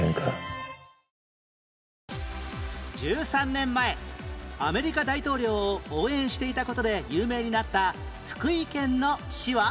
１３年前アメリカ大統領を応援していた事で有名になった福井県の市は？